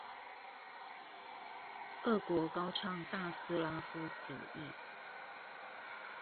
俄國高唱大斯拉夫主義